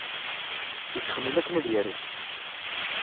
Yettxemmim akken ad yaru.